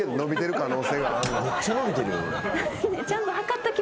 めっちゃ伸びてるよ俺。